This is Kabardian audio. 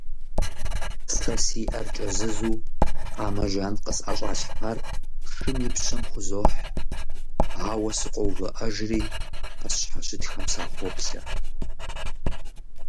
Си Ӏэр кӀэзызу, къамэ жан къысӀэщӀалъхьар шым и пщэм хузохь, ауэ сыкъоувыӀэжри, къысщхьэщытхэм сахоплъэ.